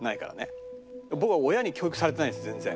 僕は親に教育されてないんです全然。